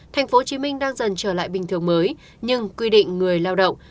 tp hcm đang dần trở lại bình thường mới nhưng quy định người lao động